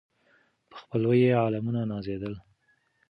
په خپلوي یې عالمونه نازېدله